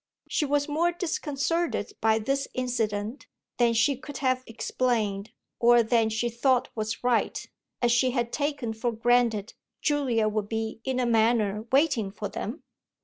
She was more disconcerted by this incident than she could have explained or than she thought was right, as she had taken for granted Julia would be in a manner waiting for them.